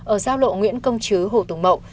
ở giao lộ nguyễn công chứ hồ tùng mậu